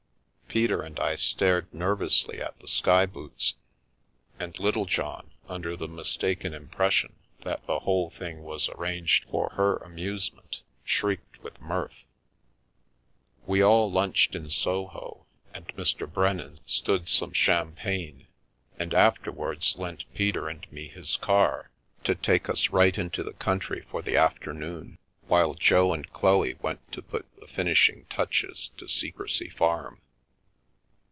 Peter and I stared nervously at the sky boots, and Littlejohn, under the mistaken impression that the whole thing was arranged for her amusement, shrieked with mirth. We all lunched in Soho, and Mr. Brennan stood some champagne, and afterwards lent Peter and me his car The Milky Way to take us right intWhe country for the afternoon, while Jo and Chloe went to put the finishing touches to Secrecy Farm.